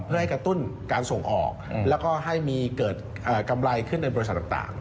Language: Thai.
เพื่อให้กระตุ้นการส่งออกแล้วก็ให้มีเกิดกำไรขึ้นในบริษัทต่าง